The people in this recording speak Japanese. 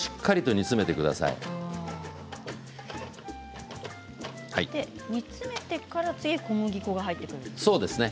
煮詰めてから次に小麦粉が入ってくるんですね。